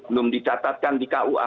belum dicatatkan di kua